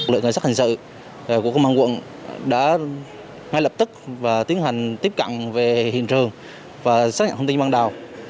đội cảnh sát hình sự của công an quận đã ngay lập tức tiến hành tiếp cận về hiện trường và xác nhận thông tin ban đầu